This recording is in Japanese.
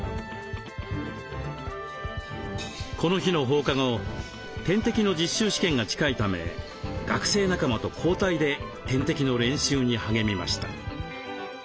この日の放課後点滴の実習試験が近いため学生仲間と交代で点滴の練習に励みました。